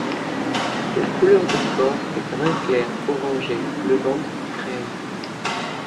La couleur de corps et brun clair orangé, le ventre crème.